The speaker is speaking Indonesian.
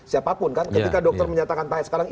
siapapun kan ketika dokter menyatakan tanya sekarang